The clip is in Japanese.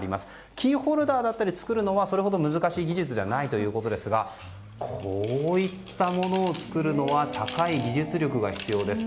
キーホルダーだったら作るのはそれほど難しい技術ではないということですがこういったものを作るのは高い技術力が必要です。